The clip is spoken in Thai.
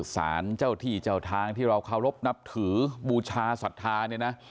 สารเจ้าที่เจ้าทางที่เราคารพนับถือบูชาศัทธา